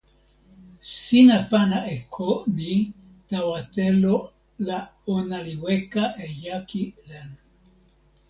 sina pana e ko ni tawa telo la ona li weka e jaki len.